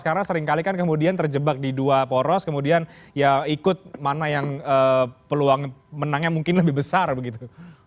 karena seringkali kan kemudian terjebak di dua poros kemudian ya ikut mana yang peluang menangnya mungkin lebih besar begitu